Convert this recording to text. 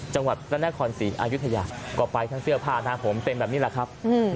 จังหวัดพระนครศรีอายุทยาก็ไปทั้งเสื้อผ้าหน้าผมเป็นแบบนี้แหละครับ